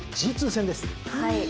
はい。